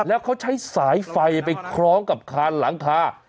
แล้วเขาใช้สายไฟไปคล้องกับคานหลังคา